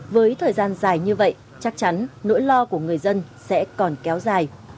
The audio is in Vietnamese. với thời gian dài như vậy chắc chắn nỗi lo của người dân sẽ còn kéo dài